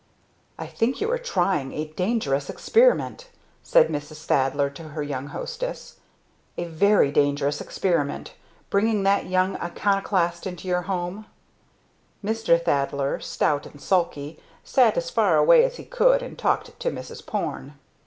"I think you are trying a dangerous experiment!" said Mrs. Thaddler to her young hostess. "A very dangerous experiment! Bringing that young iconoclast into your home!" Mr. Thaddler, stout and sulky, sat as far away as he could and talked to Mrs. Porne.